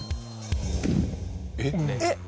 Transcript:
えっ？